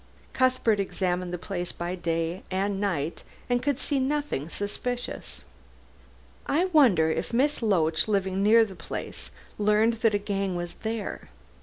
Cuthbert examined the place by day and night and could see nothing suspicious. I wonder if Miss Loach, living near the place, learned that a gang was there.